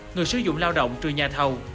người sử dụng lao động trừ nhà thầu